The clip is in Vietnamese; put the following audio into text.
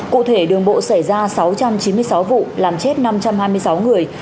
cụ thể đường bộ xảy ra sáu trăm chín mươi sáu vụ làm chết năm trăm hai mươi sáu người